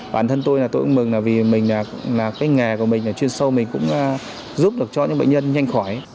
bản thân tôi cũng mừng vì nghề của mình chuyên sâu mình cũng giúp được cho những bệnh nhân nhanh khỏi